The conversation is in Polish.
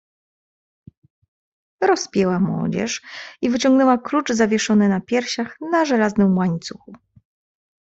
"Rozpięła mu odzież i wyciągnęła klucz, zawieszony na piersiach, na żelaznym łańcuchu."